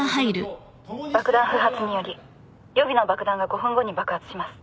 爆弾不発により予備の爆弾が５分後に爆発します。